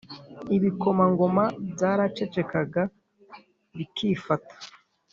Ibikomangoma byaracecekaga bikifata